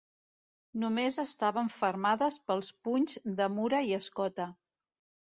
Només estaven fermades pels punys d'amura i escota.